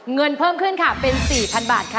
เงินเพิ่มขึ้นค่ะเป็น๔๐๐๐บาทค่ะ